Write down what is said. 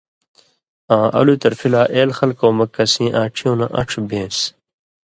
آں الُوئ طرفی لا اېل خلکؤں مہ کسیں آن٘ڇھیُوں نہ ان٘ڇھہۡ بېن٘س